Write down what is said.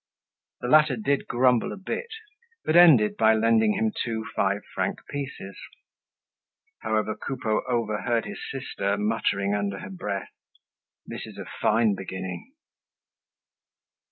The latter did grumble a bit, but ended by lending him two five franc pieces. However, Coupeau overheard his sister muttering under her breath, "This is a fine beginning."